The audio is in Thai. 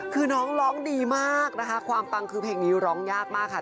คือน้องร้องดีมากนะคะความปังคือเพลงนี้ร้องยากมากค่ะ